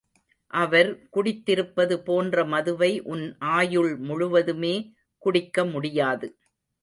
அவர் குடித்திருப்பது போன்ற மதுவை உன் ஆயுள் முழுவதுமே குடிக்க முடியாது.